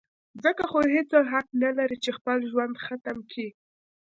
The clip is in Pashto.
ځکه خو هېڅوک حق نه لري چې خپل ژوند ختم کي.